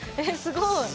えすごい。